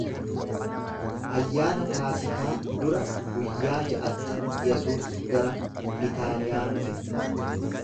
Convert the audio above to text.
Ayyaana Faasikaa dura guyyaa ja’atti Yesuus gara Bitaaniyaa dhufe.